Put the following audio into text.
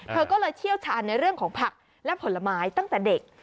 เธอก็เลยเชี่ยวชาญในเรื่องของผักและผลไม้ตั้งแต่เด็ก